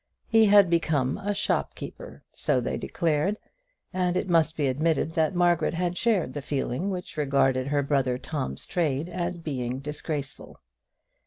He had become a shopkeeper, so they declared, and it must be admitted that Margaret had shared the feeling which regarded her brother Tom's trade as being disgraceful.